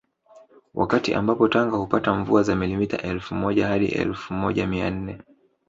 Wakati ambapo Tanga hupata mvua za millimita elfu moja hadi elfu moja mia nne